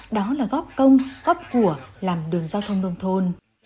đó là góp công góp của làm đường giao thông nông thôn